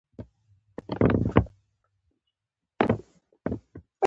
مېوې د افغانستان د بڼوالۍ یوه ډېره مهمه او اساسي برخه ده.